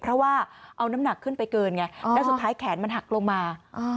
เพราะว่าเอาน้ำหนักขึ้นไปเกินไงแล้วสุดท้ายแขนมันหักลงมา